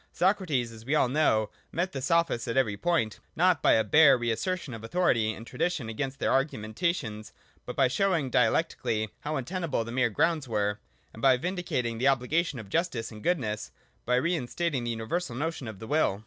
Socrates, as we all know, met the Sophists at every point, not by a bare re assertion of autho rity and tradition against their argumentations, but by show ing dialectically how untenable the mere grounds were, and by vindicating the obligation of justice and goodness, — by re instating the universal or notion of the will.